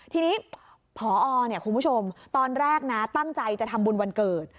ทีนี้พอคุณผู้ชมตอนแรกนะตั้งใจจะทำบุญวันเกิด